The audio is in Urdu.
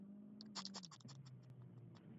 دو نمبری کی بھی کوئی حد ہوتی ہے۔